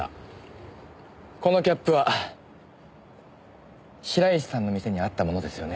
このキャップは白石さんの店にあったものですよね？